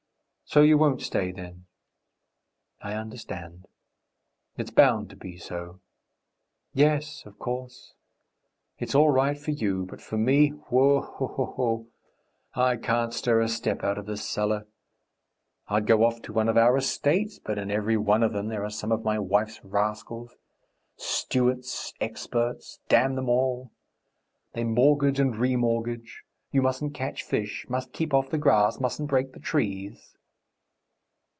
So you won't stay, then? I understand.... It's bound to be so ... Yes, of course.... It's all right for you, but for me wo o o o!... I can't stir a step out of this cellar. I'd go off to one of our estates, but in every one of them there are some of my wife's rascals ... stewards, experts, damn them all! They mortgage and remortgage.... You mustn't catch fish, must keep off the grass, mustn't break the trees."